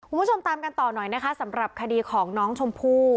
คุณผู้ชมตามกันต่อหน่อยนะคะสำหรับคดีของน้องชมพู่